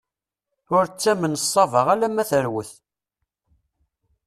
Ur ttamen ṣṣaba alamma terwet.